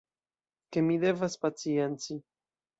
Ke mi devas pacienci.